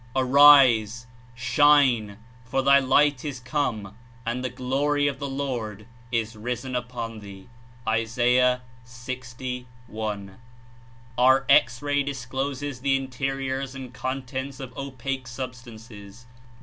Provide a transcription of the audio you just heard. ''Arise, shine, for thy light is come and the glory of the Lord is risen upon thee J' (Is. 60.1.) Our X ray discloses the interiors and contents of opaque substances.